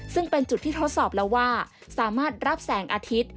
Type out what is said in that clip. ซึ่งเป็นจุดที่ทดสอบแล้วว่าสามารถรับแสงอาทิตย์